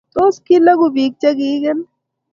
tos kileku biik che keikeen?